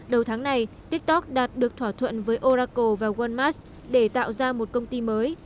đầu tháng này tiktok đạt được thỏa thuận với oracle và walmart để tạo ra một công ty mới